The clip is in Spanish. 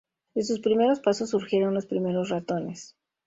De sus primeros pasos surgieron los primeros ratones.